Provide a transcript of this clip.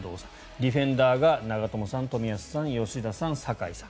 ディフェンダーが長友さん、冨安さん、吉田さん酒井さん。